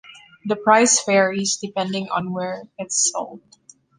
The price varies, depending on where it's sold.